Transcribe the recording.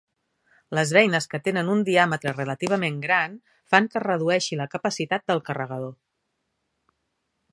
Les beines, que tenen un diàmetre relativament gran, fan que es redueixi la capacitat del carregador.